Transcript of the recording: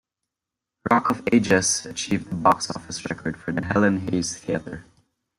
"Rock of Ages" achieved the box-office record for the Helen Hayes Theatre.